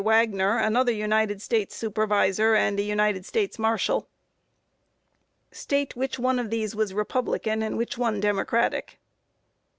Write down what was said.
Wagner, another United States Supervisor, and a United States Marshal. Q. State which one of these was Republican, and which one Democratic.